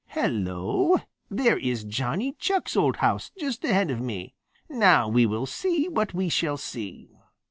Hello! There is Johnny Chuck's old house just ahead of me. Now we will see what we shall see."